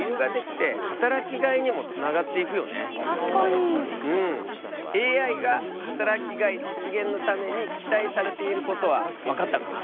そうなると確かに。ＡＩが働きがい実現のために期待されていることは分かったかな？